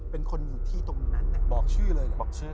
เป็นคนอยู่ที่ตรงนั้นเนี่ย